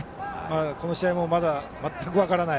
この試合もまだ全く分からない